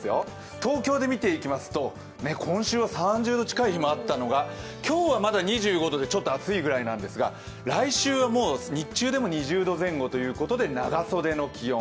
東京で見ていきますと今週は３０度近い日もあったのが今日はまだ２５度でちょっと暑いぐらいなんですが、来週は日中でも２０度前後ということで長袖の気温。